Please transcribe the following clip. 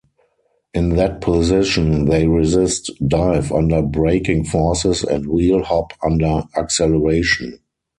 In that position they resist dive under braking forces and wheel hop under acceleration.